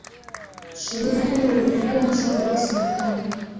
Shirika hilo lilipokea msaada wa serikali